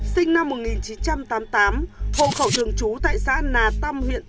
sinh năm một nghìn chín trăm tám mươi tám hộ khẩu trường trú tại xã nà tâm huyện tàu